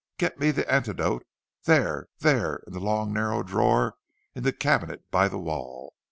Get me the antidote; there, there in the long, narrow drawer in the cabinet by the wall!